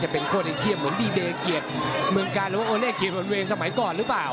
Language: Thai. พี่เดเกียรติเมืองกาลหรือว่าโอเล่เกียรติออนเวย์สมัยก่อนหรือเปล่า